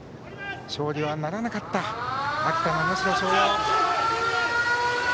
勝利はならなかった秋田の能代松陽。